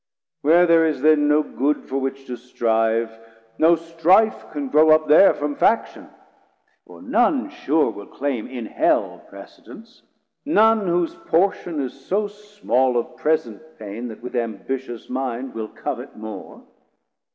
where there is then no good 30 For which to strive, no strife can grow up there From Faction; for none sure will claim in hell Precedence, none, whose portion is so small Of present pain, that with ambitious mind Will covet more.